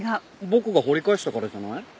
僕が掘り返したからじゃない？